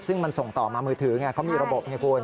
ซึ่งมันส่งต่อมามือถือไงเขามีระบบไงคุณ